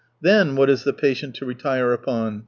Then what is the patient to retire upon